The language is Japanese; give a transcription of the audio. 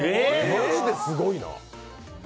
マジですごいな。